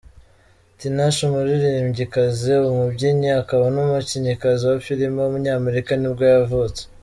Tinashe, umuririmbyikazi, umubyinnyi akaba n’umukinnyikazi wa filime w’umunyamerika nibwo yavutse.